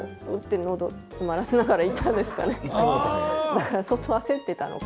だから相当焦ってたのかな？